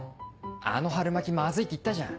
あの春巻きまずいって言ったじゃん。